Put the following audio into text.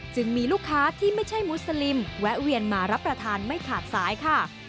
มีลูกค้าที่ไม่ใช่มุสลิมแวะเวียนมารับประทานไม่ขาดสายค่ะ